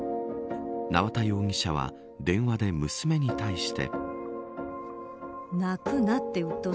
縄田容疑者は電話で娘に対して。